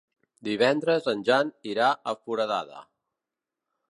Divendres en Jan irà a Foradada.